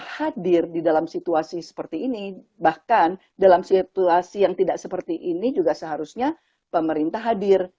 hadir di dalam situasi seperti ini bahkan dalam situasi yang tidak seperti ini juga seharusnya pemerintah hadir